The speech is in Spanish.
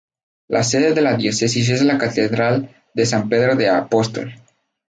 La sede de la Diócesis es la Catedral de San Pedro el Apóstol.